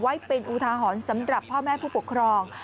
ไว้เป็นอุทาหรณ์สำหรับพ่อแม่ผู้ปกครอง